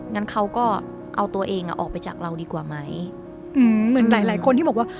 งั้นเขาก็เอาตัวเองอ่ะออกไปจากเราดีกว่าไหมอืมเหมือนหลายหลายคนที่บอกว่า